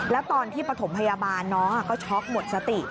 แล้วตอนที่ปฐมพยาบาลน้องก็ช็อกหมดสติ